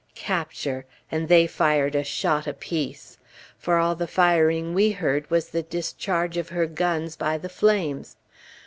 Capture, and they fired a shot apiece! for all the firing we heard was the discharge of her guns by the flames.